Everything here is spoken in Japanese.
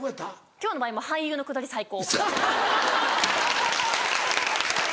今日の場合俳優のくだり最高！